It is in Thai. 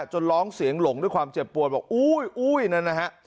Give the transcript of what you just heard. จนร้องเสียงหลงด้วยความเจ็บปวดบอกอุ๊ยนะฮะ